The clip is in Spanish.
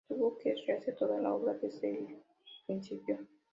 Tuvo que rehacer toda la obra desde el principio.